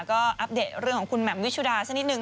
ก็อัปเดตเรื่องของคุณแหม่มวิชุดาสักนิดนึ